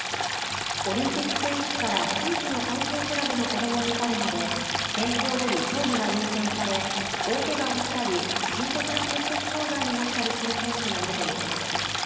オリンピック選手から地域の体操クラブの子どもに至るまで健康より競技が優先され大けがをしたり深刻な摂食障害になったりする選手もいるということです。